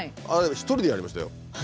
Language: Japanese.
あれ一人でやりましたよ。